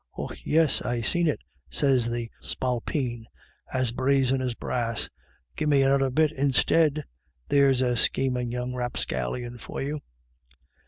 ' Och yis, I seen it,' sez the spalpeen, as brazen as brass. ' Gimme noder bit instid. ' There's a schemin' young rapscallion for you."